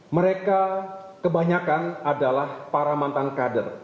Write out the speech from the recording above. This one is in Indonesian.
mereka kebanyakan adalah para mantan kader